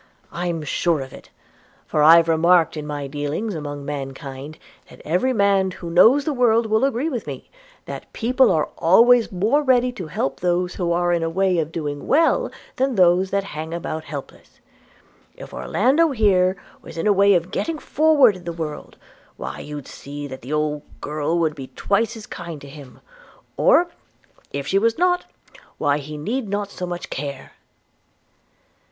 I'm sure of it, for I've remarked it in my dealings among mankind, and every man who knows the world will agree with me, that people are always more ready to help those who are in a way of doing well, than those that hang about helpless. If Orlando here was in a way of getting forward in the world, why you'd see that the old girl would be twice as kind to him – or, if she was not, why he need not so much care.'